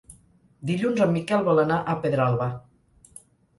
Dilluns en Miquel vol anar a Pedralba.